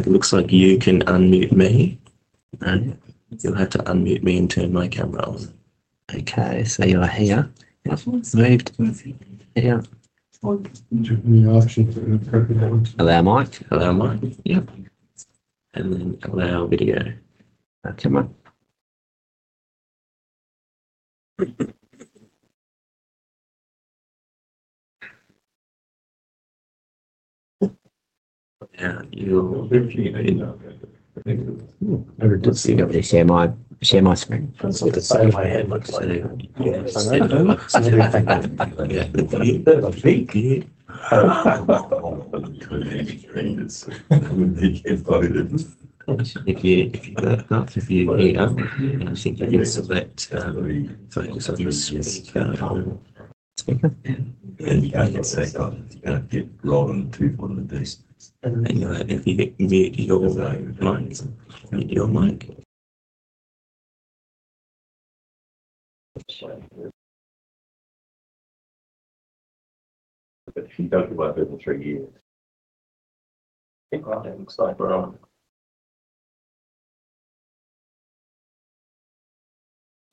It looks like you can unmute me. You'll have to unmute me and turn my camera on. Okay, you are here. Yep. Moved. Here. Do you have any options to increase the volume? Allow mic. Yep. Then allow video. Okay. Come on. Now you'll— I'm going to share my screen. I'll share my screen. I'll share my desktop screen. Yeah, if you're here, I think you can select. Focus on this speaker. Speaker? You can select if you're going to keep rolling to one of these. If you mute your mic, mute your mic. She's talking about Google for years. I think it looks like we're on.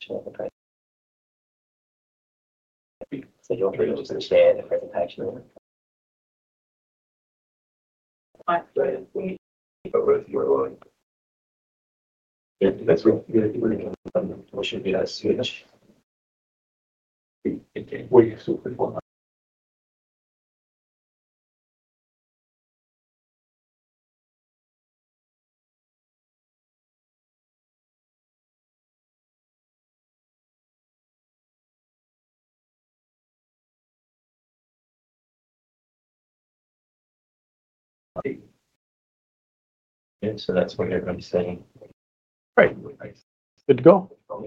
I think you're just going to share the presentation. I think. Where's your line? Yeah, that's right. We should be able to switch. We're usually pretty well. Yeah, that's what everybody's saying. Great, good to go. All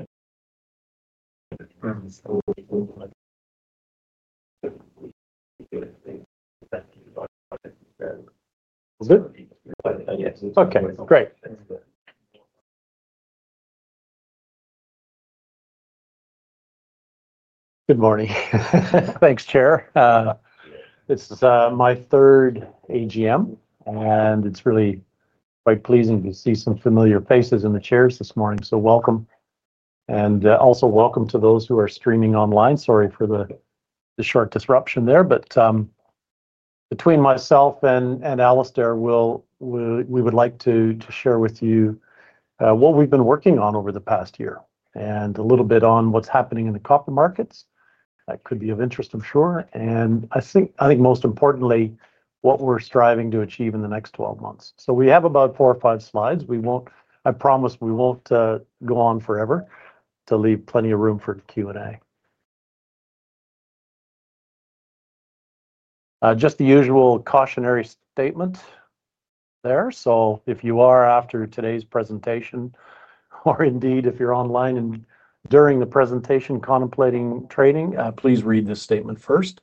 good? Yeah. Okay. Great. Good morning. Thanks, Chair. It's my third AGM, and it's really quite pleasing to see some familiar faces in the chairs this morning, so welcome. Also, welcome to those who are streaming online. Sorry for the short disruption there. Between myself and Alasdair, we would like to share with you what we've been working on over the past year and a little bit on what's happening in the copper markets that could be of interest, I'm sure. I think most importantly, what we're striving to achieve in the next 12 months. We have about four or five slides. I promise we won't go on forever to leave plenty of room for Q&A. Just the usual cautionary statement there. If you are after today's presentation, or indeed if you're online and during the presentation contemplating trading, please read this statement first.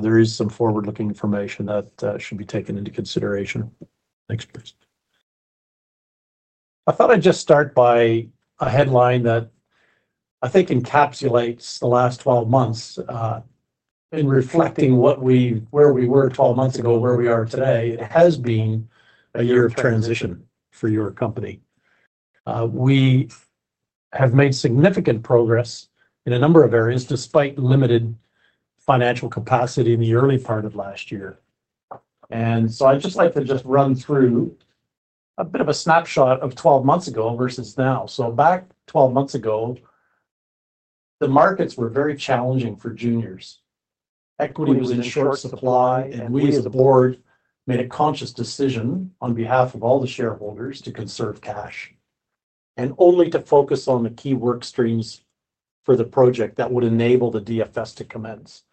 There is some forward-looking information that should be taken into consideration. Next, please. I thought I'd just start by a headline that I think encapsulates the last 12 months. In reflecting where we were 12 months ago, where we are today, it has been a year of transition for your company. We have made significant progress in a number of areas despite limited financial capacity in the early part of last year. I'd just like to run through a bit of a snapshot of 12 months ago versus now. Back 12 months ago, the markets were very challenging for juniors. Equity was in short supply, and we as a board made a conscious decision on behalf of all the shareholders to conserve cash and only to focus on the key workstreams for the project that would enable the DFS to commence.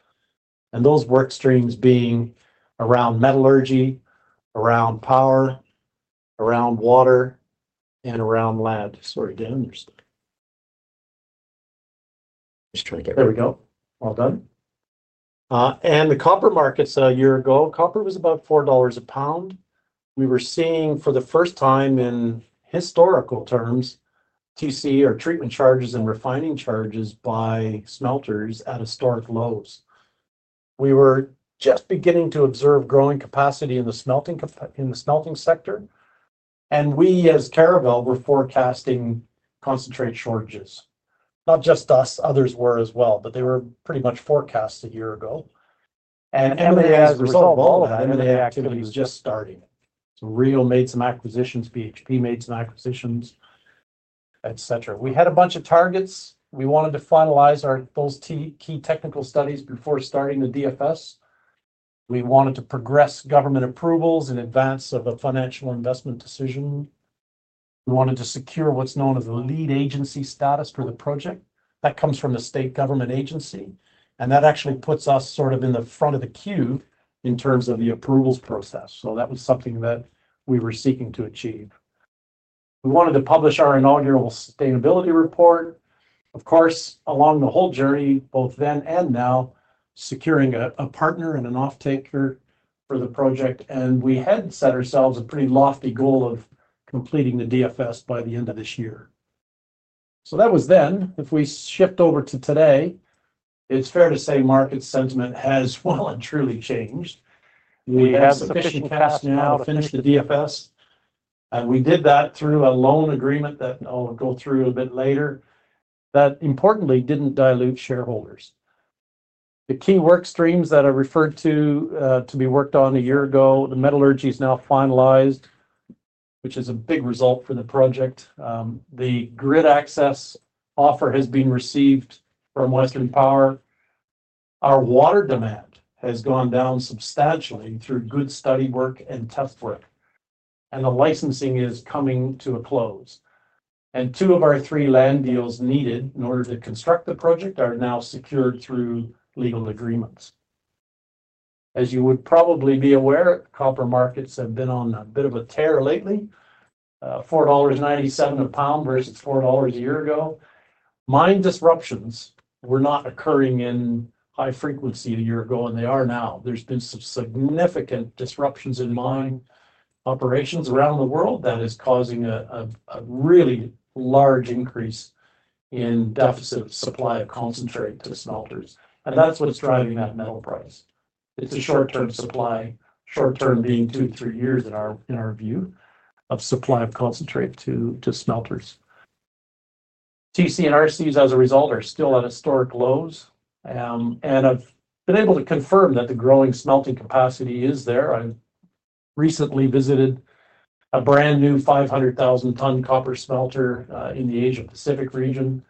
Those workstreams being around metallurgy, around power, around water, and around land. Sorry, Don understood. Just trying to get There we go. All done. The copper markets a year ago, copper was about $4 a pound. We were seeing for the first time in historical terms TC, or treatment charges, and refining charges by smelters at historic lows. We were just beginning to observe growing capacity in the smelting sector. We as Caravel were forecasting concentrate shortages. Not just us, others were as well, but they were pretty much forecast a year ago. M&A has resolved all that. M&A activity is just starting. Real made some acquisitions, BHP made some acquisitions, etc. We had a bunch of targets. We wanted to finalize those key technical studies before starting the Definitive Feasibility Study. We wanted to progress government approvals in advance of a financial investment decision. We wanted to secure what's known as a lead agency status for the project. That comes from the state government agency. That actually puts us sort of in the front of the queue in terms of the approvals process. That was something that we were seeking to achieve. We wanted to publish our inaugural sustainability report. Of course, along the whole journey, both then and now, securing a partner and an off-taker for the project. We had set ourselves a pretty lofty goal of completing the Definitive Feasibility Study by the end of this year. That was then. If we shift over to today, it's fair to say market sentiment has well and truly changed. We have sufficient cash now to finish the Definitive Feasibility Study. We did that through a loan agreement that I'll go through a bit later. That importantly didn't dilute shareholders. The key workstreams that are referred to to be worked on a year ago, the metallurgy is now finalized, which is a big result for the project. The grid access offer has been received from Western Power. Our water demand has gone down substantially through good study work and test work. The licensing is coming to a close. Two of our three land deals needed in order to construct the project are now secured through legal agreements. As you would probably be aware, copper markets have been on a bit of a tear lately. $4.97 a pound versus $4 a year ago. Mine disruptions were not occurring in high frequency a year ago, and they are now. There have been some significant disruptions in mine operations around the world that is causing a really large increase in deficit of supply of concentrate to smelters. That's what's driving that metal price. It's a short-term supply, short-term being two to three years in our view of supply of concentrate to smelters. TC and RCs, as a result, are still at historic lows. I've been able to confirm that the growing smelting capacity is there. I recently visited a brand new 500,000-ton copper smelter in the Asia-Pacific region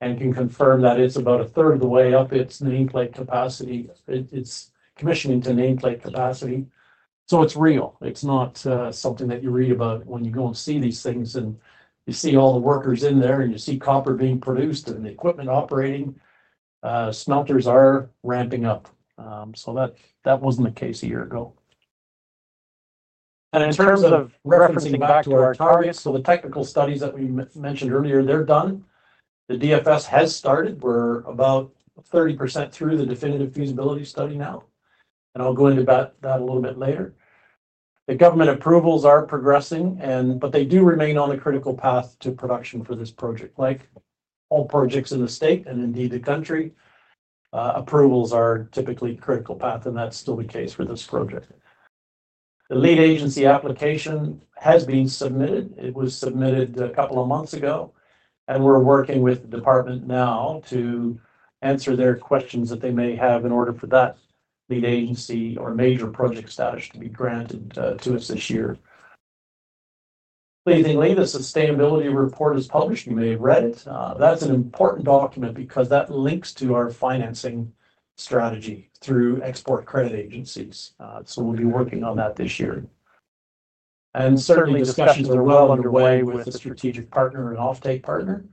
and can confirm that it's about a third of the way up its nameplate capacity. It's commissioning to nameplate capacity. It's real. It's not something that you read about when you go and see these things. You see all the workers in there, and you see copper being produced and the equipment operating. Smelters are ramping up. That wasn't the case a year ago. In terms of referencing back to our targets, the technical studies that we mentioned earlier, they're done. The DFS has started. We're about 30% through the Definitive Feasibility Study now, and I'll go into that a little bit later. The government approvals are progressing, but they do remain on a critical path to production for this project. Like all projects in the state and indeed the country, approvals are typically critical path, and that's still the case for this project. The lead agency application has been submitted. It was submitted a couple of months ago, and we're working with the department now to answer their questions that they may have in order for that lead agency or major project status to be granted to us this year. Pleasingly, the sustainability report is published. You may have read it. That's an important document because that links to our financing strategy through export credit agencies. We'll be working on that this year. Certainly, discussions are well underway with the strategic partner and offtake partner.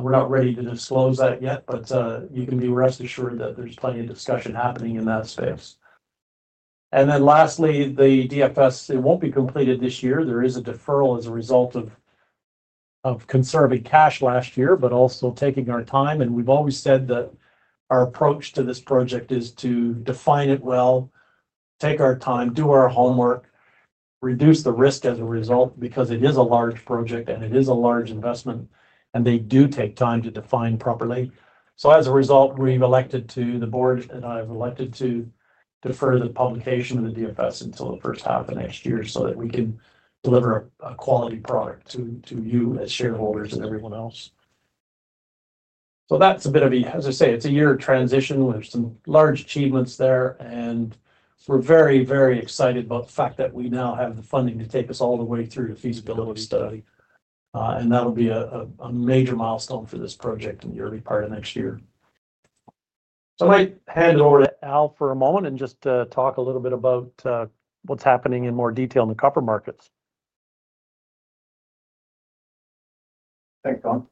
We're not ready to disclose that yet, but you can be rest assured that there's plenty of discussion happening in that space. Lastly, the DFS, it won't be completed this year. There is a deferral as a result of conserving cash last year, but also taking our time. We've always said that our approach to this project is to define it well, take our time, do our homework, reduce the risk as a result because it is a large project and it is a large investment, and they do take time to define properly. As a result, we've elected to, the board and I have elected to defer the publication of the DFS until the first half of next year so that we can deliver a quality product to you as shareholders and everyone else. That's a bit of a, as I say, it's a year of transition with some large achievements there. We're very, very excited about the fact that we now have the funding to take us all the way through the feasibility study. That'll be a major milestone for this project in the early part of next year. I might hand it over to Al for a moment to talk a little bit about what's happening in more detail in the copper markets. Thanks, Don.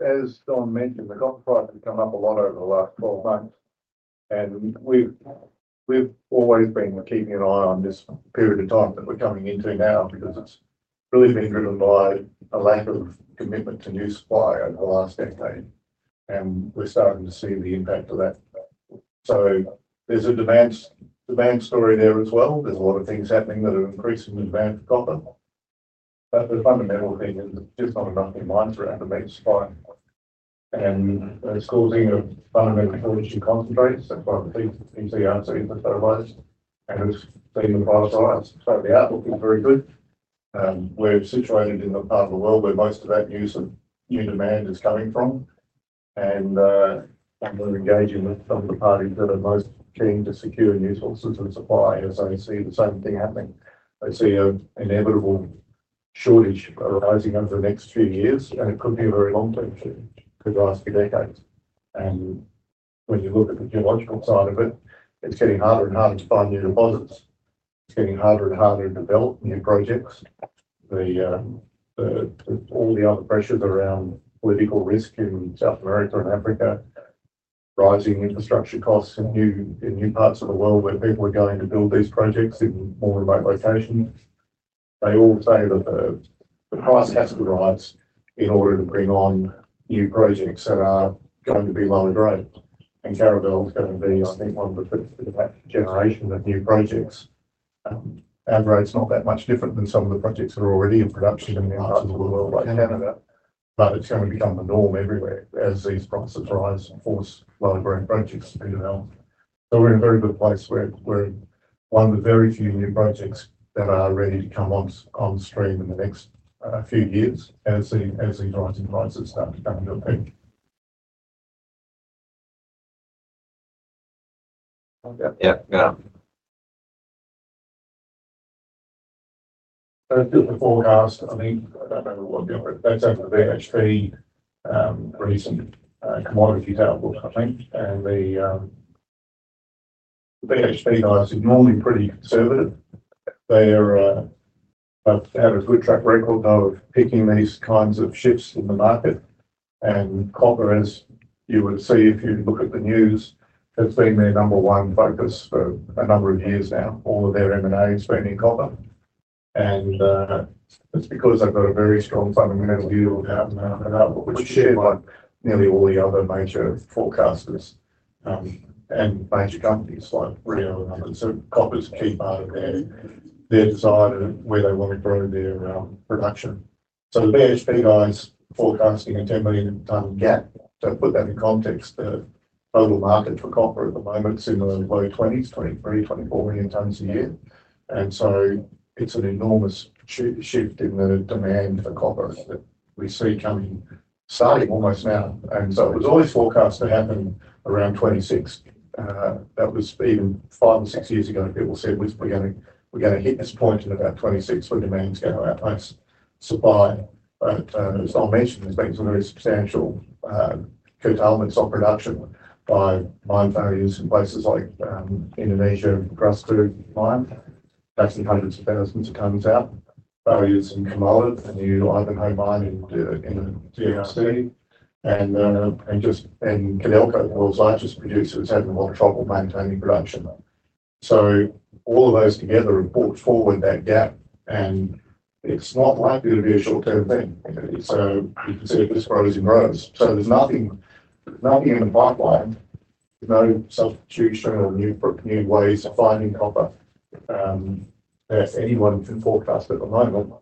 As Don mentioned, the copper price has gone up a lot over the last 12 months. We've always been keeping an eye on this period of time that we're coming into now because it's really been driven by a lack of commitment to new supply over the last decade. We're starting to see the impact of that. There's a demand story there as well. There are a lot of things happening that are increasing the demand for copper. The fundamental thing is there's just not enough supply for our demand, and it's causing a fundamental shortage in concentrate. That's why the TC/RC has been so high, and we've seen the price rise. The outlook is very good. We're situated in the part of the world where most of that new demand is coming from. We're engaging with some of the parties that are most keen to secure new sources of supply. You see the same thing happening. They see an inevitable shortage arising over the next few years. It could be a very long-term shortage. It could last for decades. When you look at the geological side of it, it's getting harder and harder to find new deposits. It's getting harder and harder to develop new projects. All the other pressures around political risk in South America and Africa, rising infrastructure costs in new parts of the world where people are going to build these projects in more remote locations, all say that the price has to rise in order to bring on new projects that are going to be lower grade. Caravel is going to be, I think, one of the first generations of new projects. The grade's not that much different than some of the projects that are already in production in other parts of the world like Canada, but it's going to become the norm everywhere as these prices rise and force lower-grade projects to be developed. We're in a very good place where we're one of the very few new projects that are ready to come on stream in the next few years as these rising prices start to come into effect. Yeah. It's just a forecast, I think. I don't know what they're doing. That's over at BHP. Recent commodity download, I think. The BHP guys are normally pretty conservative. They've had a good track record of picking these kinds of shifts in the market. Copper, as you would see if you look at the news, has been their number one focus for a number of years now. All of their M&A is spent in copper. It's because they've got a very strong fundamental view, which is shared by nearly all the other major forecasters and major companies like Rio and others. Copper's a key part of their desire for where they want to grow their production. The BHP guys are forecasting a 10 million-ton gap. To put that in context, the total market for copper at the moment is in the low 20s, 23, 24 million tons a year. It's an enormous shift in the demand for copper that we see coming, starting almost now. It was always forecast to happen around 2026. That was even five or six years ago. People said, "We're going to hit this point in about 2026 where demand's going to outpace supply." As Don mentioned, there's been some very substantial curtailments on production by mine failures in places like Indonesia and Grasberg mine. That's hundreds of thousands of tons out. Failures in Kamoa, a new Ivanhoe mine in DRC. Codelco, the world's largest producer, is having a lot of trouble maintaining production. All of those together have brought forward that gap. It's not likely to be a short-term thing. You can see it just grows and grows. There's nothing in the pipeline. There's no substitution or new ways of finding copper that anyone can forecast at the moment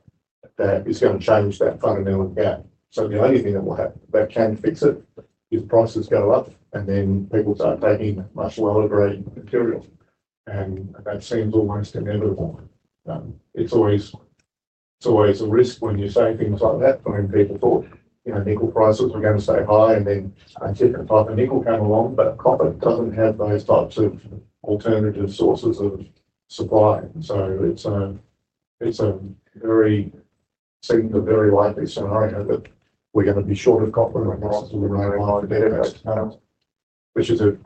that is going to change that fundamental gap. The only thing that will happen that can fix it is prices go up and then people start taking much lower-grade material. That seems almost inevitable. It's always a risk when you say things like that, when people thought nickel prices were going to stay high and then a different type of nickel came along, but copper doesn't have those types of alternative sources of supply. It seemed a very likely scenario that we're going to be short of copper and the rest of the rail line for better years to come, which is a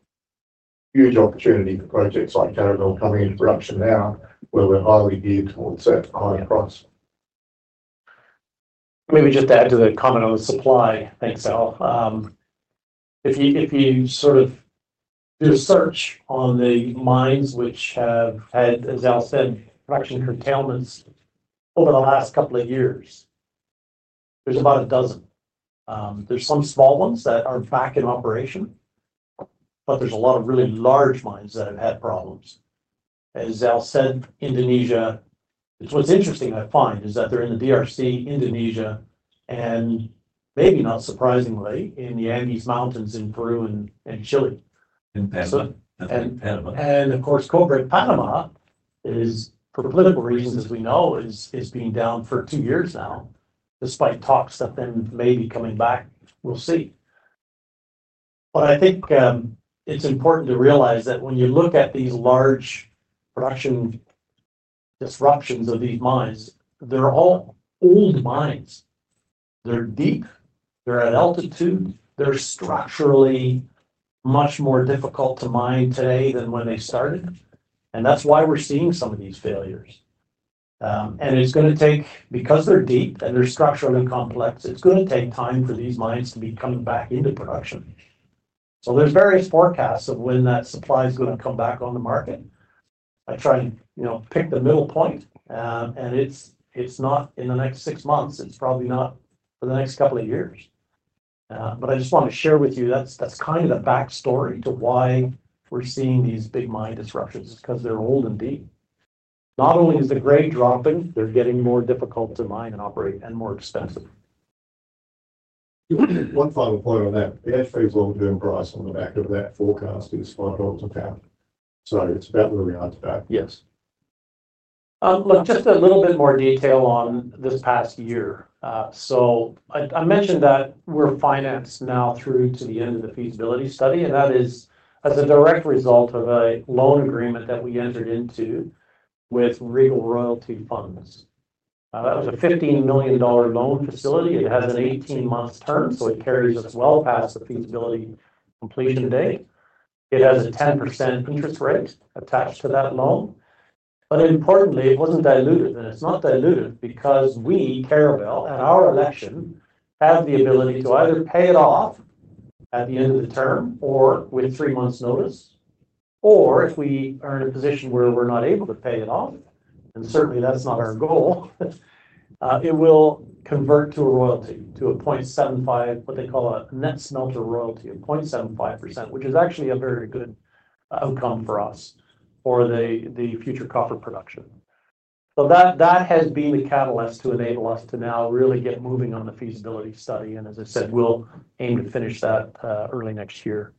huge opportunity for projects like Caravel coming into production now where we're highly geared towards that higher price. Maybe just to add to the comment on the supply, thanks, Al. If you do a search on the mines which have had, as Al said, production curtailments over the last couple of years, there's about a dozen. There's some small ones that are back in operation, but there's a lot of really large mines that have had problems. As Al said, Indonesia, what's interesting I find is that they're in the DRC, Indonesia, and maybe not surprisingly, in the Andes Mountains in Peru and Chile. In Panama. Of course, Panama is, for political reasons, as we know, being down for two years now, despite talks that they may be coming back. We'll see. I think it's important to realize that when you look at these large production disruptions of these mines, they're all old mines. They're deep. They're at altitude. They're structurally much more difficult to mine today than when they started. That's why we're seeing some of these failures. It's going to take, because they're deep and they're structurally complex, time for these mines to be coming back into production. There are various forecasts of when that supply is going to come back on the market. I try and pick the middle point. It's not in the next six months. It's probably not for the next couple of years. I just want to share with you that's kind of the backstory to why we're seeing these big mine disruptions. It's because they're old and deep. Not only is the grade dropping, they're getting more difficult to mine and operate and more expensive. One final point on that. The BHP's all-in price on the back of that forecast is $5.00 a pound. It's about where we are today. Yes. Look, just a little bit more detail on this past year. I mentioned that we're financed now through to the end of the feasibility study, and that is as a direct result of a loan agreement that we entered into with Regal Royalty Funds. That was a $15 million loan facility. It has an 18-month term, so it carries us well past the feasibility completion date. It has a 10% interest rate attached to that loan. Importantly, it wasn't diluted, and it's not diluted because we, Caravel, at our election, have the ability to either pay it off at the end of the term or with three months' notice. If we are in a position where we're not able to pay it off, and certainly that's not our goal, it will convert to a royalty, to a 0.75%, what they call a net smelter royalty of 0.75%, which is actually a very good outcome for us for the future copper production. That has been the catalyst to enable us to now really get moving on the feasibility study. I said we'll aim to finish that early next year.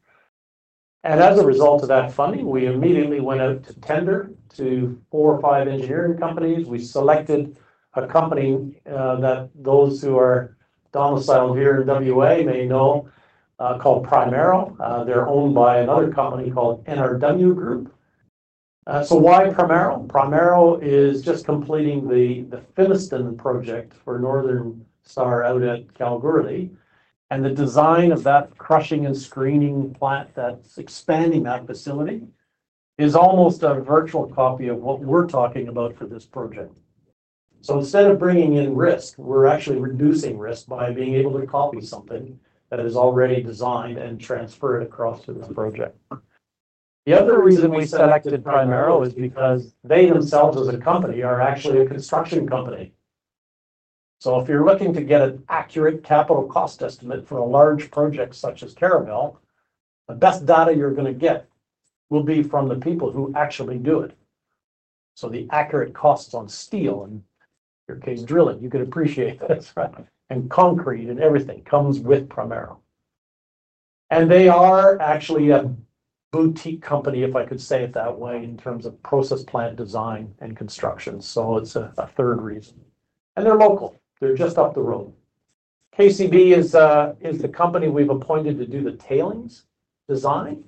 As a result of that funding, we immediately went out to tender to four or five engineering companies. We selected a company that those who are domiciled here in WA may know called Primero. They're owned by another company called NRW Holdings. Why Primero? Primero is just completing the Finniston project for Northern Star out at Kalgoorlie, and the design of that crushing and screening plant that's expanding that facility is almost a virtual copy of what we're talking about for this project. Instead of bringing in risk, we're actually reducing risk by being able to copy something that is already designed and transfer it across to this project. The other reason we selected Primero is because they themselves as a company are actually a construction company. If you're looking to get an accurate capital cost estimate for a large project such as Caravel, the best data you're going to get will be from the people who actually do it. The accurate costs on steel and in your case, drilling, you can appreciate this, and concrete and everything comes with Primero. They are actually a boutique company, if I could say it that way, in terms of process plant design and construction. It's a third reason, and they're local. They're just up the road. KCB is the company we've appointed to do the tailings design.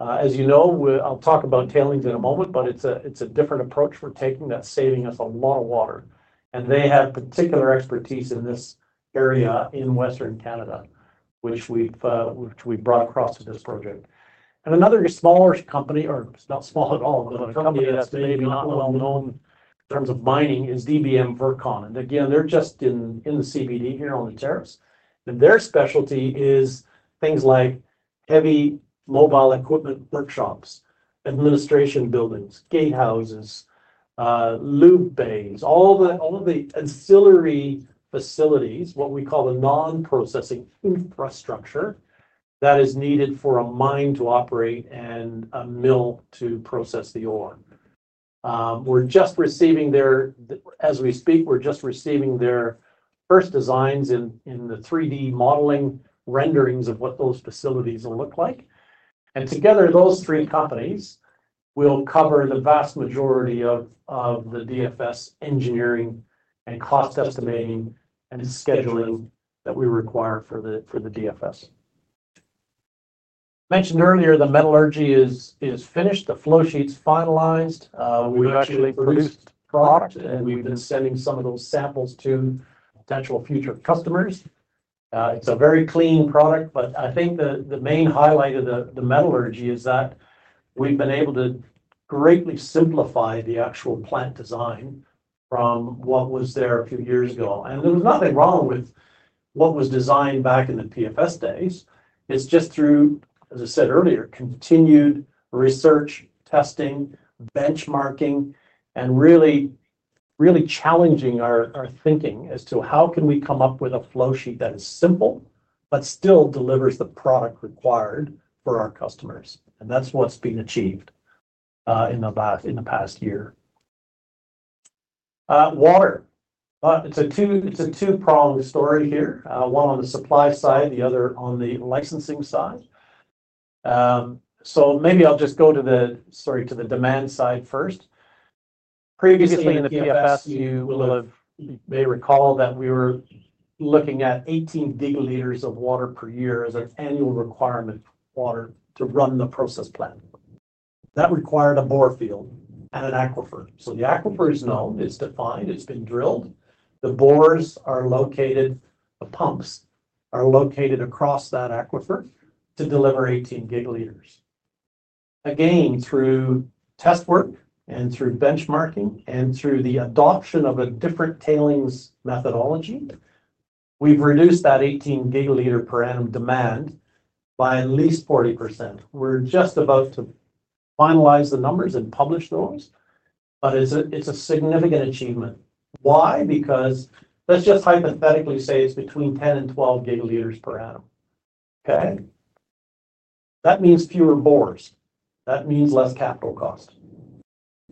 As you know, I'll talk about tailings in a moment, but it's a different approach we're taking that's saving us a lot of water. They have particular expertise in this area in Western Canada, which we've brought across to this project. Another smaller company, or not small at all, but a company that's maybe not well known in terms of mining is DBM Vircon. They're just in the CBD here on the terrace. Their specialty is things like heavy mobile equipment workshops, administration buildings, gatehouses, lube bays, all of the ancillary facilities, what we call the non-processing infrastructure that is needed for a mine to operate and a mill to process the ore. We're just receiving their, as we speak, we're just receiving their first designs in the 3D modeling renderings of what those facilities will look like. Together, those three companies will cover the vast majority of the DFS engineering and cost estimating and scheduling that we require for the DFS. I mentioned earlier the metallurgy is finished. The flow sheet's finalized. We actually produced product, and we've been sending some of those samples to potential future customers. It's a very clean product. I think the main highlight of the metallurgy is that we've been able to greatly simplify the actual plant design from what was there a few years ago. There was nothing wrong with what was designed back in the PFS days. It's just through, as I said earlier, continued research, testing, benchmarking, and really challenging our thinking as to how can we come up with a flow sheet that is simple but still delivers the product required for our customers. That's what's been achieved in the past year. Water. It's a two-pronged story here, one on the supply side, the other on the licensing side. Maybe I'll just go to the demand side first. Previously in the PFS, you may recall that we were looking at 18 GL of water per year as an annual requirement for water to run the process plant. That required a bore field and an aquifer. The aquifer is known, it's defined, it's been drilled. The bores are located. The pumps are located across that aquifer to deliver 18 GL. Through test work and through benchmarking and through the adoption of a different tailings methodology, we've reduced that 18 GL per annum demand by at least 40%. We're just about to finalize the numbers and publish those, but it's a significant achievement. Why? Let's just hypothetically say it's between 10 and 12 GL per annum. That means fewer bores. That means less capital cost.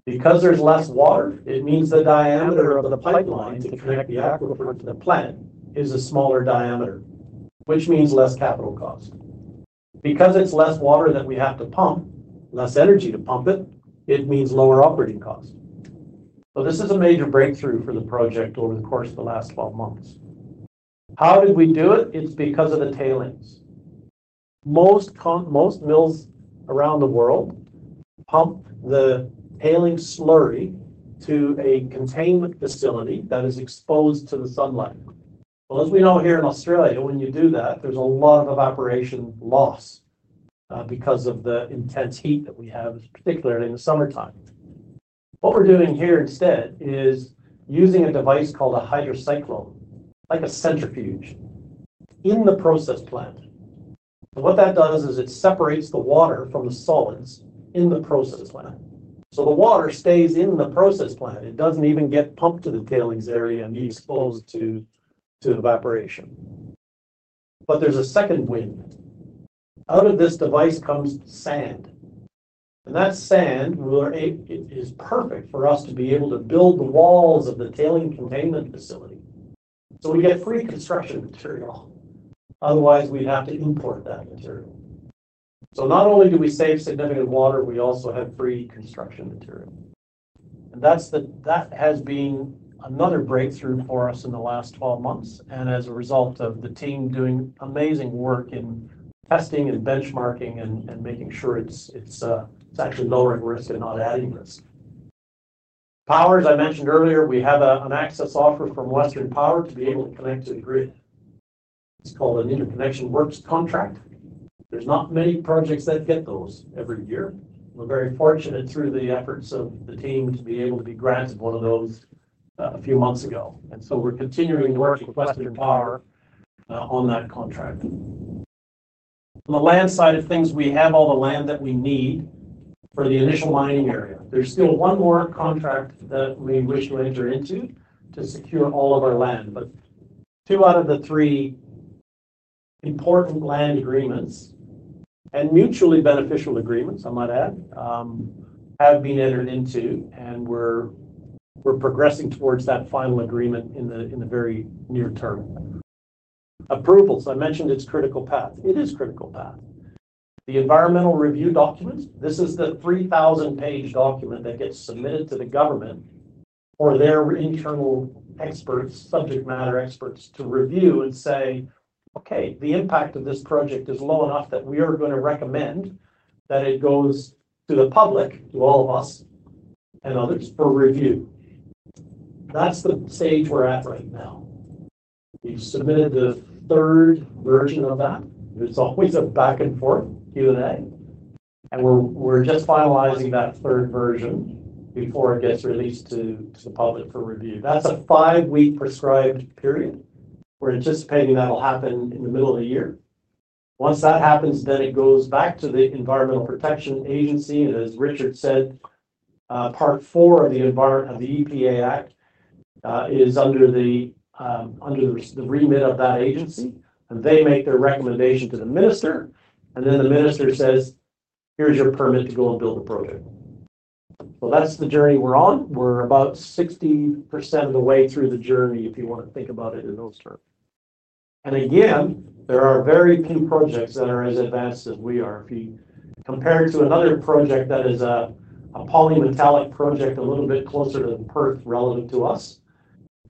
Because there's less water, it means the diameter of the pipeline to connect the aquifer to the plant is a smaller diameter, which means less capital cost. Because it's less water that we have to pump, less energy to pump it, it means lower operating cost. This is a major breakthrough for the project over the course of the last 12 months. How did we do it? It's because of the tailings. Most mills around the world pump the tailings slurry to a containment facility that is exposed to the sunlight. As we know here in Australia, when you do that, there's a lot of evaporation loss because of the intense heat that we have, particularly in the summertime. What we're doing here instead is using a device called a hydrocycloid, like a centrifuge, in the process plant. What that does is it separates the water from the solids in the process plant. The water stays in the process plant. It doesn't even get pumped to the tailings area and be exposed to evaporation. There's a second win. Out of this device comes sand, and that sand is perfect for us to be able to build the walls of the tailings containment facility. We get free construction material. Otherwise, we'd have to import that material. Not only do we save significant water, we also have free construction material. That has been another breakthrough for us in the last 12 months and as a result of the team doing amazing work in testing and benchmarking and making sure it's actually lowering risk and not adding risk. Power, as I mentioned earlier, we have an access offer from Western Power to be able to connect to the grid. It's called an interconnection works contract. There are not many projects that get those every year. We're very fortunate through the efforts of the team to be able to be granted one of those a few months ago. We are continuing to work with Western Power on that contract. On the land side of things, we have all the land that we need for the initial mining area. There's still one more contract that we wish to enter into to secure all of our land, but two out of the three important land agreements, and mutually beneficial agreements, I might add, have been entered into, and we're progressing towards that final agreement in the very near term. Approvals. I mentioned it's critical path. It is critical path. The environmental review documents, this is the 3,000-page document that gets submitted to the government. For their internal experts, subject matter experts to review and say, "Okay, the impact of this project is low enough that we are going to recommend that it goes to the public, to all of us, and others for review." That's the stage we're at right now. We've submitted the third version of that. There's always a back and forth Q&A, and we're just finalizing that third version before it gets released to the public for review. That's a five-week prescribed period. We're anticipating that will happen in the middle of the year. Once that happens, it goes back to the Environmental Protection Agency. As Richard said, Part Four of the EPA Act is under the remit of that agency, and they make their recommendation to the minister. The minister says, "Here's your permit to go and build the project." That's the journey we're on. We're about 60% of the way through the journey if you want to think about it in those terms. There are very few projects that are as advanced as we are. If you compare it to another project that is a polymetallic project a little bit closer to Perth relative to us,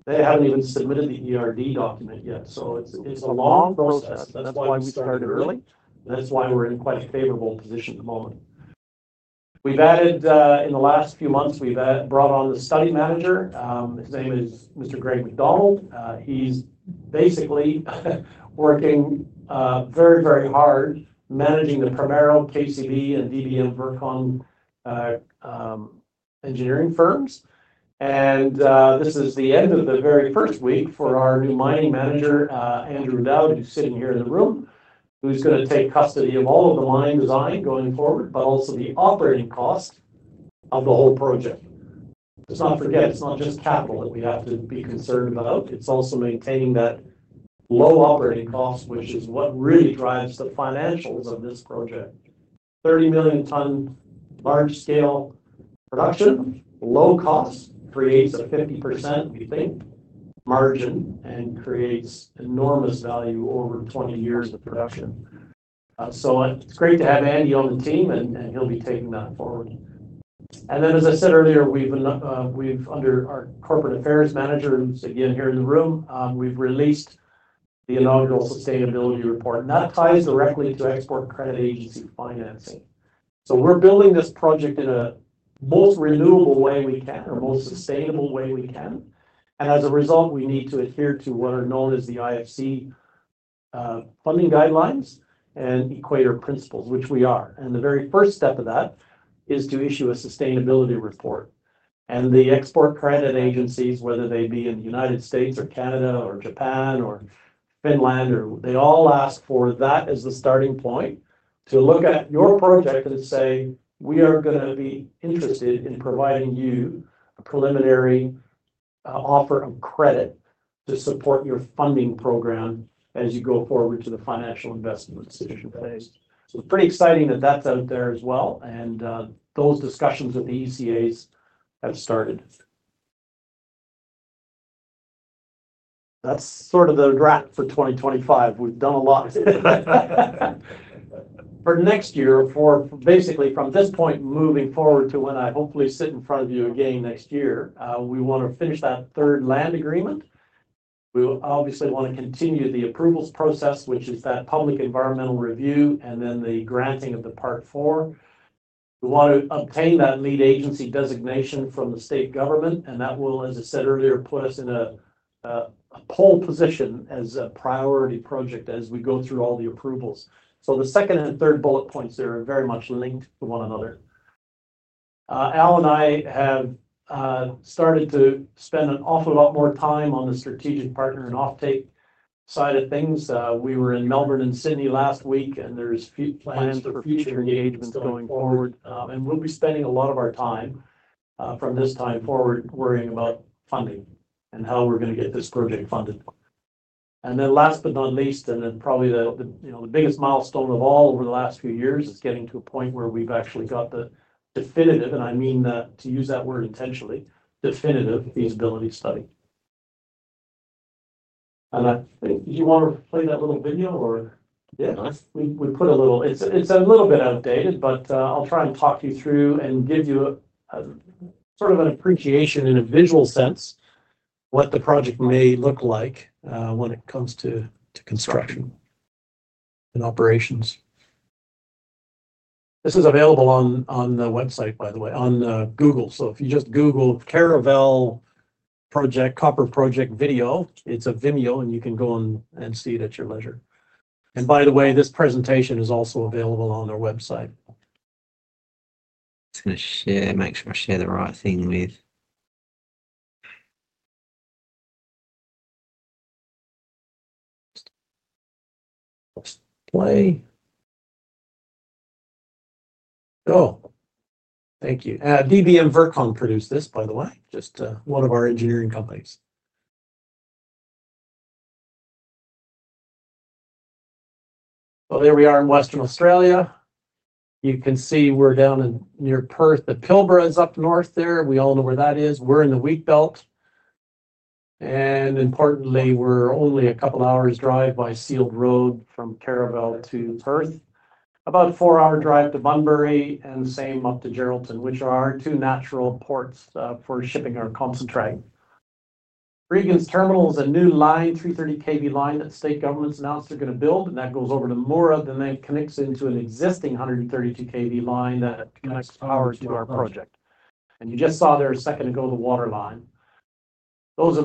they haven't even submitted the ERD document yet. It's a long process. That's why we started early. That's why we're in quite a favorable position at the moment. In the last few months, we've brought on the Study Manager. His name is Mr. Greg McDonald. He's basically working very, very hard managing the Primero Group Ltd, KCB, and DBM Vircon engineering firms. This is the end of the very first week for our new Mining Manager, Andrew Dowd, who's sitting here in the room, who's going to take custody of all of the line design going forward, but also the operating cost of the whole project. Let's not forget, it's not just capital that we have to be concerned about. It's also maintaining that low operating cost, which is what really drives the financials of this project. 30 million-ton large-scale production, low cost creates a 50% margin and creates enormous value over 20 years of production. It's great to have Andy on the team, and he'll be taking that forward. As I said earlier, under our Corporate Affairs Manager, who's again here in the room, we've released the inaugural sustainability report. That ties directly to export credit agency financing. We're building this project in the most renewable way we can or most sustainable way we can. As a result, we need to adhere to what are known as the IFC. Funding guidelines and Equator Principles, which we are. The very first step of that is to issue a sustainability report. The export credit agencies, whether they be in the United States or Canada or Japan or Finland, they all ask for that as the starting point to look at your project and say, "We are going to be interested in providing you a preliminary offer of credit to support your funding program as you go forward to the financial investment decision phase." It's pretty exciting that that's out there as well. Those discussions with the ECAs have started. That's sort of the draft for 2025. We've done a lot. For next year, basically from this point moving forward to when I hopefully sit in front of you again next year, we want to finish that third land agreement. We obviously want to continue the approvals process, which is that public environmental review and then the granting of the Part Four. We want to obtain that lead agency designation from the state government. That will, as I said earlier, put us in a pole position as a priority project as we go through all the approvals. The second and third bullet points are very much linked to one another. Al and I have started to spend an awful lot more time on the strategic partner and offtake side of things. We were in Melbourne and Sydney last week, and there's plans for future engagements going forward. We'll be spending a lot of our time from this time forward worrying about funding and how we're going to get this project funded. Last but not least, and probably the biggest milestone of all over the last few years, is getting to a point where we've actually got the definitive, and I mean that to use that word intentionally, Definitive Feasibility Study. I think, do you want to play that little video or? Yeah. We put a little, it's a little bit outdated, but I'll try and talk you through and give you sort of an appreciation in a visual sense what the project may look like when it comes to construction and operations. This is available on the website, by the way, on Google. If you just Google Caravel Copper Project video, it's a Vimeo, and you can go and see it at your leisure. By the way, this presentation is also available on our website. I'm going to share, make sure I share the right thing with. Play. Oh, thank you. DBM Vircon produced this, by the way, just one of our engineering companies. There we are in Western Australia. You can see we're down near Perth. The Pilbara is up north there. We all know where that is. We're in the Wheatbelt. Importantly, we're only a couple of hours' drive by sealed road from Caravel to Perth. About a four-hour drive to Bunbury and same up to Geraldton, which are our two natural ports for shipping our concentrate. Regan's terminal is a new line, 330 kV line that state governments announced they're going to build. That goes over to Moora and then connects into an existing 132 kV line that connects power to our project. You just saw there a second ago the water line. Those are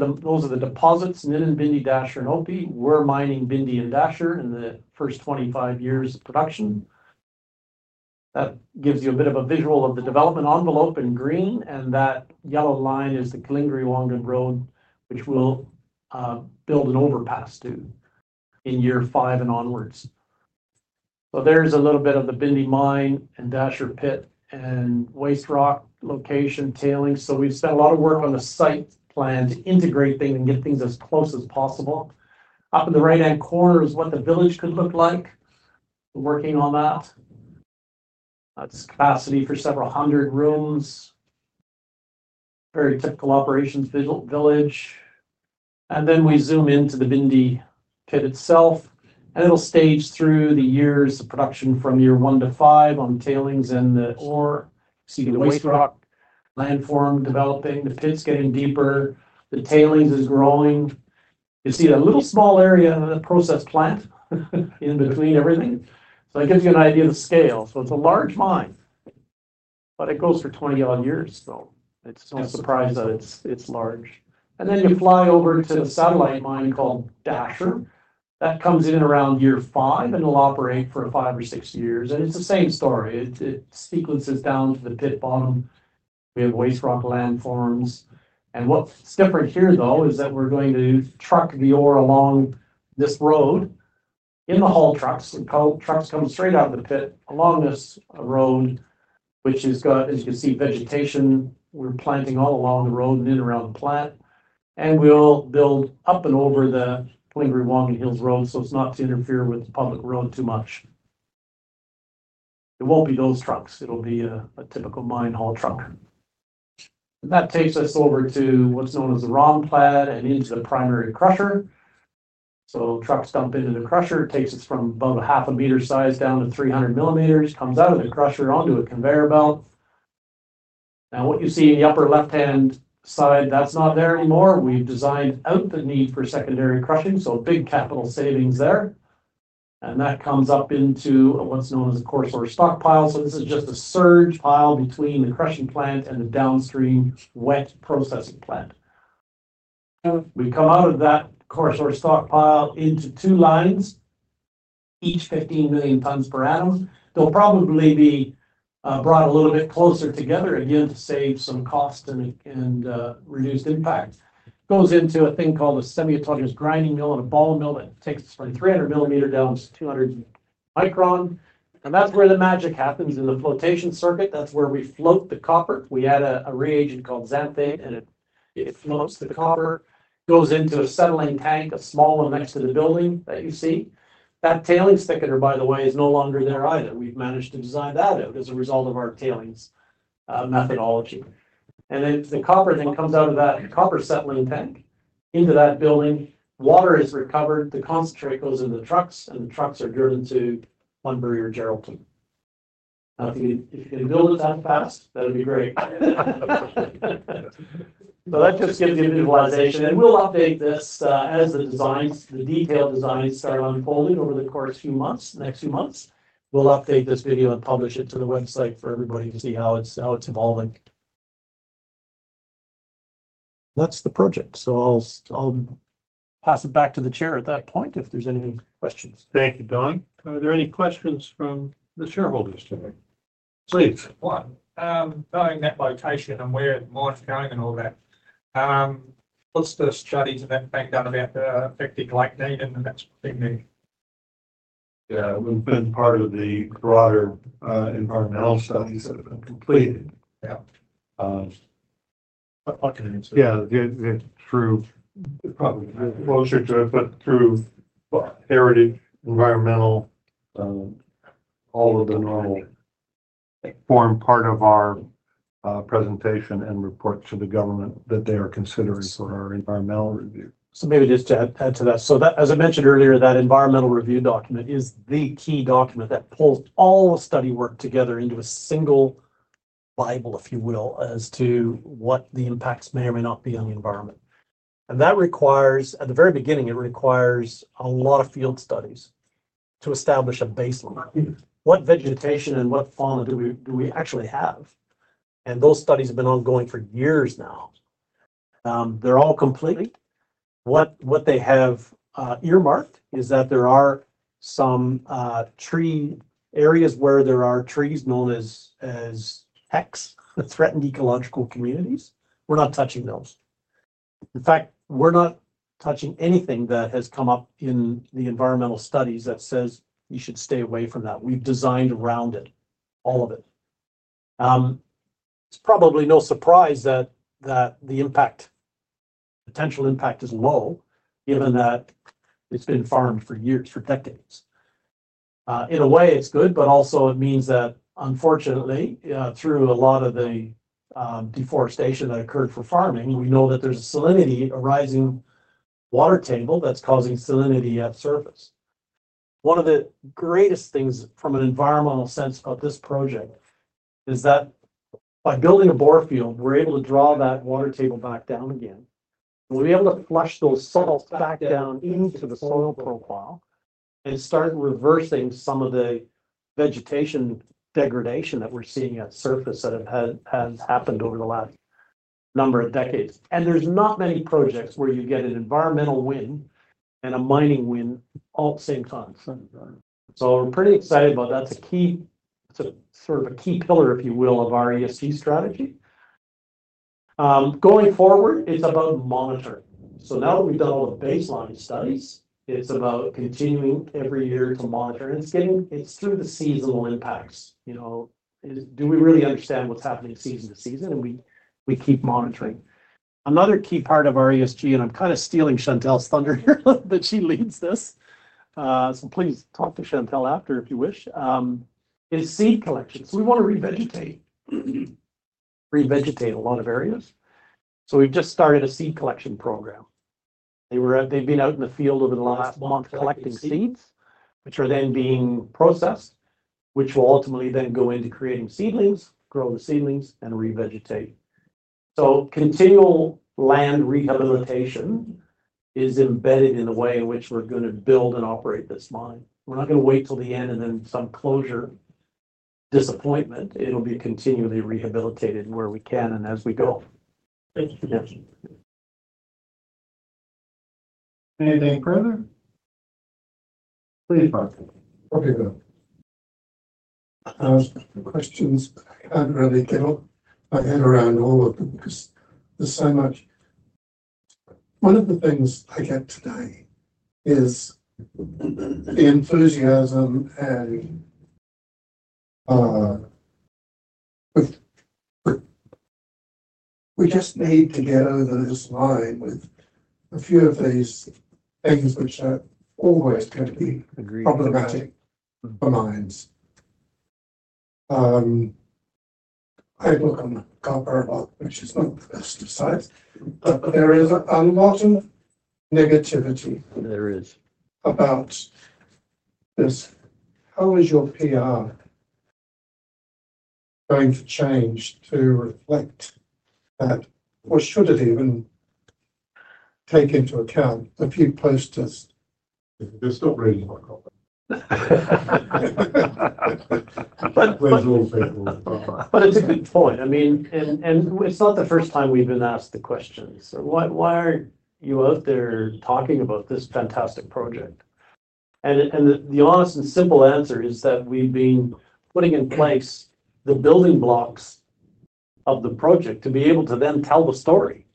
the deposits, Ninin, Bindi, Dasher, and Opee. We're mining Bindi and Dasher in the first 25 years of production. That gives you a bit of a visual of the development envelope in green. That yellow line is the Klingri-Wongan Road, which we'll build an overpass to in year five and onwards. There's a little bit of the Bindi mine and Dasher pit and waste rock location tailings. We've spent a lot of work on the site plan to integrate things and get things as close as possible. Up in the right-hand corner is what the village could look like. We're working on that. It's capacity for several hundred rooms. Very typical operations village. We zoom into the Bindi pit itself. It'll stage through the years of production from year one to five on tailings and the ore. You see the waste rock landform developing, the pits getting deeper, the tailings is growing. You see a little small area of the process plant in between everything. It gives you an idea of the scale. It's a large mine. It goes for 20-odd years. It's no surprise that it's large. You fly over to the satellite mine called Dasher. That comes in around year five, and it'll operate for five or six years. It's the same story. It sequences down to the pit bottom. We have waste rock landforms. What's different here, though, is that we're going to truck the ore along this road in the haul trucks. The trucks come straight out of the pit along this road, which has got, as you can see, vegetation. We're planting all along the road and in and around the plant. We'll build up and over the Klingri-Wongan Hills Road so it's not to interfere with the public road too much. It won't be those trucks. It'll be a typical mine haul truck. That takes us over to what's known as the ROM plaid and into the primary crusher. Trucks dump into the crusher. It takes us from about half a meter size down to 300 millimeters, comes out of the crusher onto a conveyor belt. What you see in the upper left-hand side, that's not there anymore. We've designed out the need for secondary crushing, so big capital savings there. That comes up into what's known as a coarse ore stockpile. This is just a surge pile between the crushing plant and the downstream wet processing plant. We come out of that coarse ore stockpile into two lines, each 15 million tons per annum. They'll probably be brought a little bit closer together again to save some cost and reduce impact. It goes into a thing called a semi-autonomous grinding mill and a ball mill that takes from 300 millimeter down to 200 micron. That's where the magic happens in the flotation circuit. That's where we float the copper. We add a reagent called xanthane, and it floats the copper, goes into a settling tank, a small one next to the building that you see. That tailings thickener, by the way, is no longer there either. We've managed to design that out as a result of our tailings methodology. The copper then comes out of that copper settling tank into that building. Water is recovered. The concentrate goes into the trucks, and the trucks are driven to Bunbury or Geraldton. If you can build it that fast, that'd be great. That just gives you a visualization. We'll update this as the detailed designs start unfolding over the course of the next few months. We'll update this video and publish it to the website for everybody to see how it's evolving. That's the project. I'll pass it back to the Chair at that point if there's any questions. Thank you, Don. Are there any questions from the shareholders today? Please. One. Knowing that location and where it might go and all that, what's the studies of that being done about the affected lake need and that sort of thing there? Yeah. We've been part of the broader environmental studies that have been completed. I can answer. Probably closer to it, but through heritage, environmental, all of the normal, form part of our presentation and report to the government that they are considering for our environmental review. Maybe just to add to that, as I mentioned earlier, that environmental review document is the key document that pulls all the study work together into a single bible, if you will, as to what the impacts may or may not be on the environment. That requires, at the very beginning, a lot of field studies to establish a baseline. What vegetation and what fauna do we actually have? Those studies have been ongoing for years now. They're all complete. What they have earmarked is that there are some tree areas where there are trees known as threatened ecological communities, HECs. We're not touching those. In fact, we're not touching anything that has come up in the environmental studies that says you should stay away from that. We've designed around it, all of it. It's probably no surprise that the potential impact is low, given that it's been farmed for years, for decades. In a way, it's good, but also it means that, unfortunately, through a lot of the deforestation that occurred for farming, we know that there's a rising water table that's causing salinity at surface. One of the greatest things from an environmental sense about this project is that by building a bore field, we're able to draw that water table back down again. We'll be able to flush those salts back down into the soil profile and start reversing some of the vegetation degradation that we're seeing at surface that has happened over the last number of decades. There are not many projects where you get an environmental win and a mining win all at the same time. We're pretty excited about that. That's a key pillar, if you will, of our ESG strategy. Going forward, it's about monitoring. Now that we've done all the baseline studies, it's about continuing every year to monitor. It's through the seasonal impacts. Do we really understand what's happening season to season? We keep monitoring. Another key part of our ESG, and I'm kind of stealing Chantel's thunder here that she leads this, so please talk to Chantel after if you wish, is seed collection. We want to revegetate a lot of areas. We've just started a seed collection program. They've been out in the field over the last month collecting seeds, which are then being processed, which will ultimately then go into creating seedlings, grow the seedlings, and revegetate. Continual land rehabilitation is embedded in the way in which we're going to build and operate this mine. We're not going to wait till the end and then some closure disappointment. It'll be continually rehabilitated where we can and as we go. Thank you. Anything further? Please, Mark. Okay, go. Questions. I can't really get my head around all of them because there's so much. One of the things I get today is enthusiasm, and we just need to get over this line with a few of these things, which are always going to be problematic for mines. I look on the copper a lot, which is not the best of size, but there is a lot of negativity. There is about this. How is your PR going to change to reflect that? Or should it even take into account a few posters? They're still reading my copy. Where's all the paperwork? It's a good point. I mean, it's not the first time we've been asked the questions. Why aren't you out there talking about this fantastic project? The honest and simple answer is that we've been putting in place the building blocks of the project to be able to then tell the story.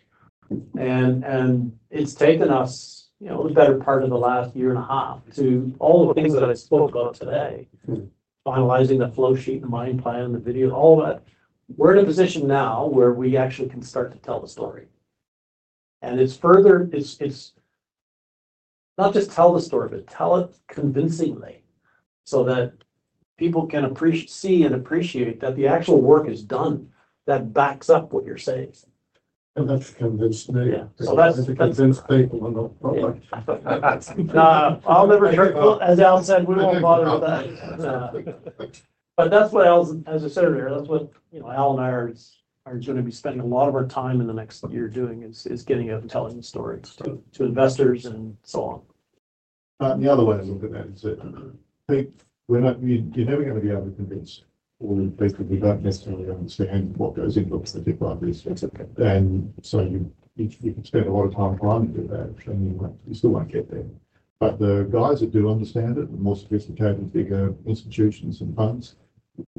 It's taken us the better part of the last year and a half to all the things that I spoke about today: finalizing the flowsheet, the mine plan, the video, all of that. We're in a position now where we actually can start to tell the story. It's not just tell the story, but tell it convincingly so that people can see and appreciate that the actual work is done that backs up what you're saying. That's to convince me. Yeah. That's to convince people on the product. I'll never trip, but as Alasdair said, we won't bother with that. As I said earlier, that's what Alasdair and I are going to be spending a lot of our time in the next year doing, getting out and telling the story to investors and so on. The other way is looking at it is that I think you're never going to be able to convince people who basically don't necessarily understand what goes into it for the deployment. You can spend a lot of time trying to do that, and you still won't get there. The guys that do understand it, the more sophisticated, bigger institutions and funds,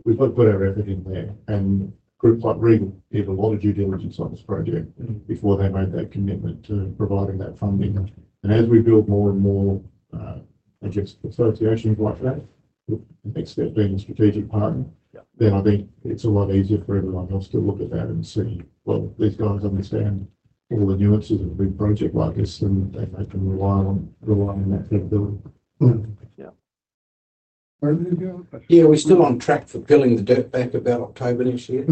we've got to put our effort in there. Groups like Regal have a lot of due diligence on this project before they made that commitment to providing that funding. As we build more and more associations like that, the next step being a strategic partner, then I think it's a lot easier for everyone else to look at that and see, well, these guys understand all the nuances of a big project like this, and they can rely on that capability. Yeah. Are there any other questions? Yeah, we're still on track for peeling the dirt back about October next year.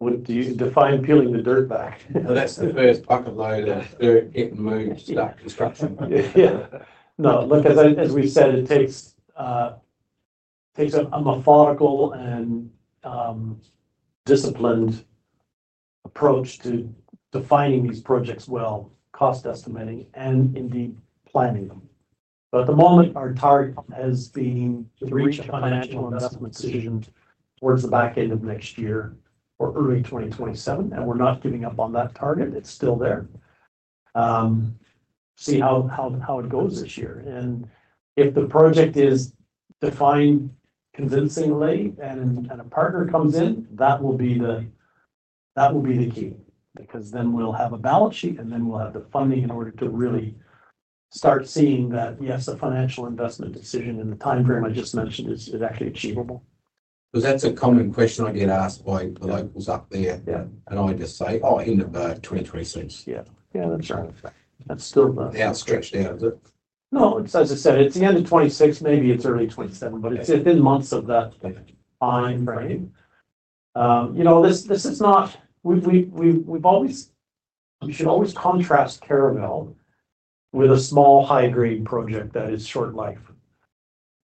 Define peeling the dirt back. That's the first pocket load of dirt getting moved to start construction. Yeah. As we've said, it takes a methodical and disciplined approach to defining these projects well, cost estimating, and indeed planning them. At the moment, our target has been to reach a financial investment decision towards the back end of next year or early 2027. We're not giving up on that target. It's still there. See how it goes this year. If the project is defined convincingly and a partner comes in, that will be the key, because then we'll have a balance sheet, and then we'll have the funding in order to really start seeing that, yes, a financial investment decision in the time frame I just mentioned is actually achievable. That's a common question I get asked by the locals up there. I just say, "Oh, end of 2026." Yeah. Yeah, that's right. That's still the outstretched out, is it? No, as I said, it's the end of 2026. Maybe it's early 2027, but it's within months of that time frame. This is not. We should always contrast Caravel with a small high-grade project that is short life.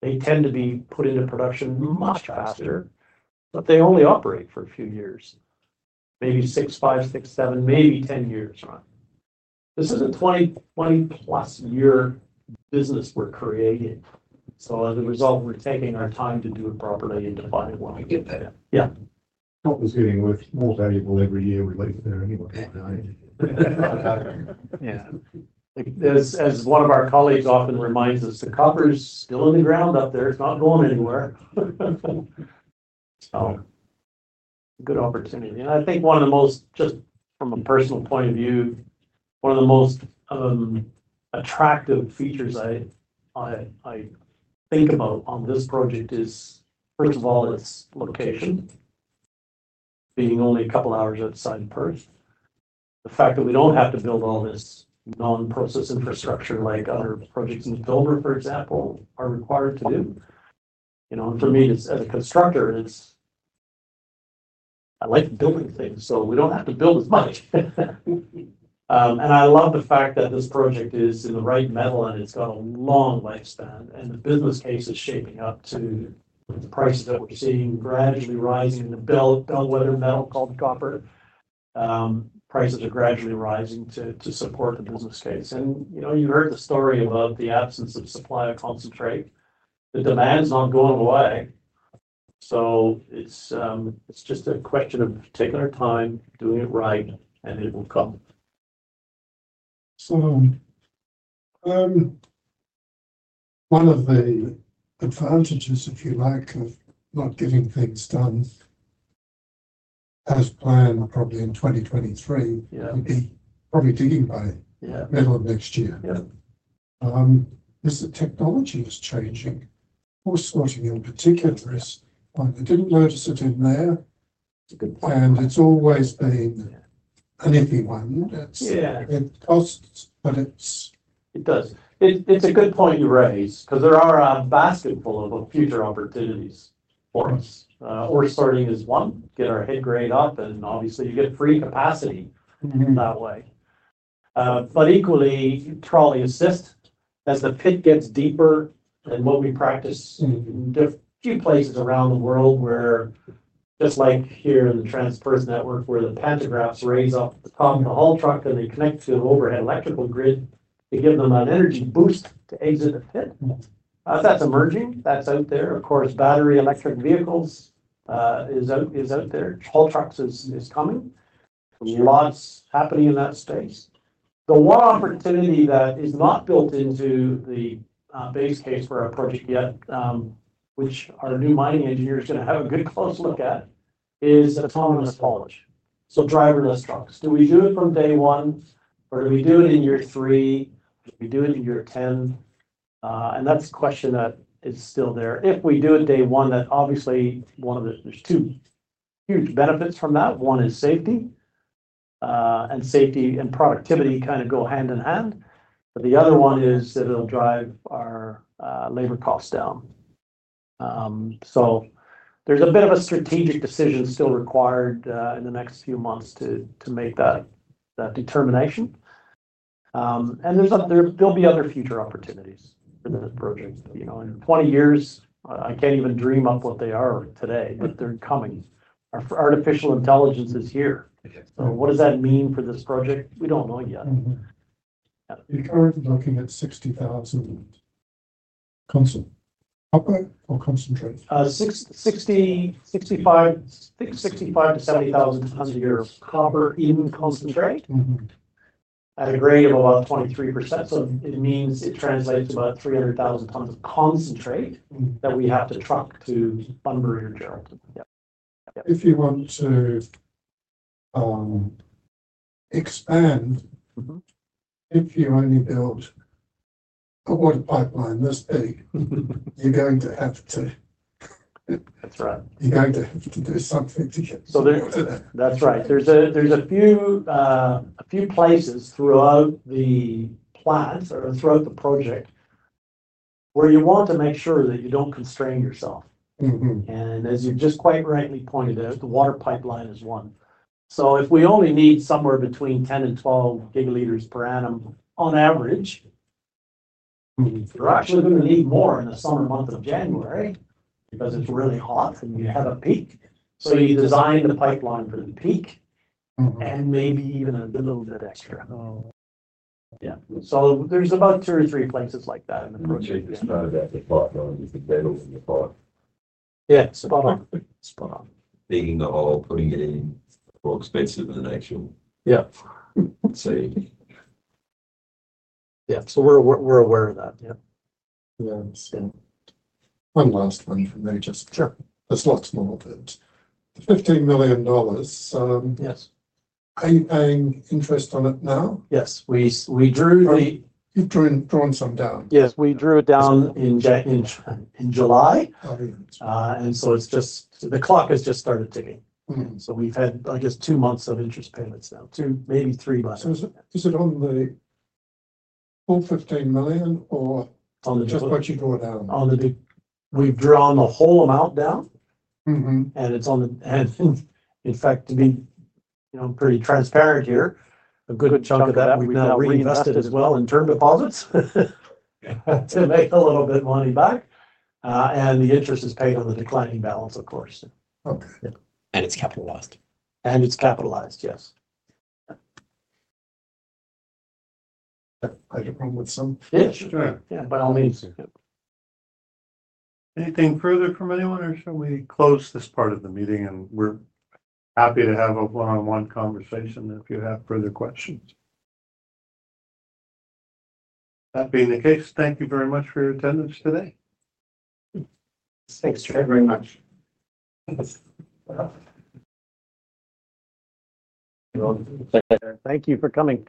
They tend to be put into production much faster, but they only operate for a few years. Maybe six, five, six, seven, maybe ten years. This is a 20-plus-year business we're creating. As a result, we're taking our time to do it properly and define it when we get there. Yeah. Copper's getting more valuable every year we leave there anyway. Yeah. As one of our colleagues often reminds us, the copper's still in the ground up there. It's not going anywhere. It's a good opportunity. I think one of the most, just from a personal point of view, one of the most attractive features I think about on this project is, first of all, its location. Being only a couple of hours outside of Perth. The fact that we don't have to build all this non-process infrastructure like other projects in the Pilgrim, for example, are required to do. For me, as a constructor, I like building things, so we don't have to build as much. I love the fact that this project is in the right metal and it's got a long lifespan. The business case is shaping up to the prices that we're seeing gradually rising in the bellwether metal called copper. Prices are gradually rising to support the business case. You heard the story about the absence of supply of concentrate. The demand's not going away. It's just a question of taking our time, doing it right, and it will come. One of the advantages, if you like, of not getting things done as planned, probably in 2023, would be probably digging by middle of next year, is the technology is changing. Poor spotting in particular is fine. I didn't notice it in there, and it's always been an iffy one. It costs, but it does. It's a good point you raise because there are a basketful of future opportunities for us. We're starting as one, get our head grade up, and obviously, you get free capacity that way. Equally, it'll probably assist as the pit gets deeper and what we practice in a few places around the world where, just like here in the TransPerth network, where the pantographs raise up the top of the haul truck and they connect to an overhead electrical grid to give them an energy boost to exit the pit. That's emerging. That's out there. Of course, battery electric vehicles is out there. Haul trucks is coming. Lots happening in that space. The one opportunity that is not built into the base case for our project yet, which our new mining engineer is going to have a good close look at, is autonomous haulage. Driverless trucks. Do we do it from day one, or do we do it in year three? Do we do it in year 10? That's a question that is still there. If we do it day one, that obviously, there's two huge benefits from that. One is safety, and safety and productivity kind of go hand in hand. The other one is that it'll drive our labor costs down. There's a bit of a strategic decision still required in the next few months to make that determination. There'll be other future opportunities for this project. In 20 years, I can't even dream up what they are today, but they're coming. Artificial intelligence is here. What does that mean for this project? We don't know yet. You're currently looking at 60,000 tons of copper or concentrate, 65,000 tons of your copper in concentrate at a grade of about 23%. It means it translates to about 300,000 tons of concentrate that we have to truck to Bunbury and Geraldton. If you want to expand, if you only built a water pipeline this big, you're going to have to do something to get to that. That's right. There's a few places throughout the plant or throughout the project where you want to make sure that you don't constrain yourself, and as you've just quite rightly pointed out, the water pipeline is one. If we only need somewhere between 10 and 12 GL per annum on average. You're actually going to need more in the summer month of January because it's really hot and you have a peak. You design the pipeline for the peak, and maybe even a little bit extra. There's about two or three places like that in the project. It's not about the pipeline; it's the pedals and the pipe. Spot on. Digging the hole, putting it in, more expensive than the actual thing. We're aware of that. One last one from there. There's lots more of it. The $15 million. Paying interest on it now? Yes. You've drawn some down? Yes. We drew it down in July, and so the clock has just started ticking. We've had, I guess, two months of interest payments now. Two, maybe three months. Is it on all $15 million or just what you draw down? We've drawn the whole amount down, and it's on the hand. In fact, to be pretty transparent here, a good chunk of that we've now reinvested as well in term deposits to make a little bit of money back. The interest is paid on the declining balance, of course. Okay. And it's capitalized. And it's capitalized, yes. I have a problem with some. Yeah, sure. By all means. Anything further from anyone, or shall we close this part of the meeting? We're happy to have a one-on-one conversation if you have further questions. That being the case, thank you very much for your attendance today. Thanks very much. Thank you for coming.